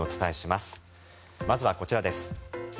まずはこちらです。